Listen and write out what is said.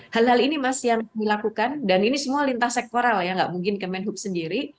hal hal ini masih yang dilakukan dan ini semua lintas sektoral ya nggak mungkin kemenhub sendiri